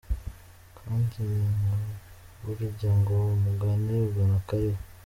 Kandi ga burya ngo umugani ugana akariho!